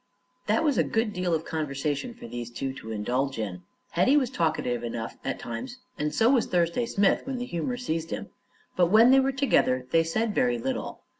That was a good deal of conversation for these two to indulge in. Hetty was talkative enough, at times, and so was Thursday Smith, when the humor seized him; but when they were together they said very little.